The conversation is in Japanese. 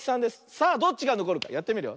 さあどっちがのこるかやってみるよ。